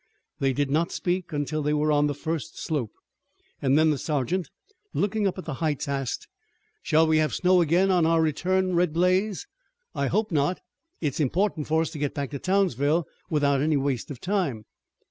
They did not speak until they were on the first slope, and then the sergeant, looking up at the heights, asked: "Shall we have snow again on our return, Red Blaze? I hope not. It's important for us to get back to Townsville without any waste of time."